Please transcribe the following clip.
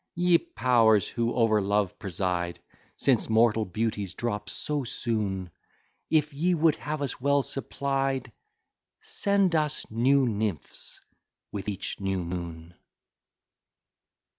Ye powers who over love preside! Since mortal beauties drop so soon, If ye would have us well supplied, Send us new nymphs with each new moon!